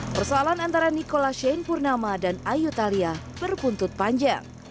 persoalan antara nikola shane purnama dan ayu thalia berbuntut panjang